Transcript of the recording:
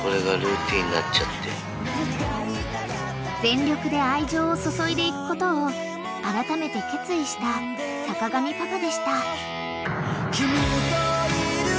［全力で愛情を注いでいくことをあらためて決意した坂上パパでした］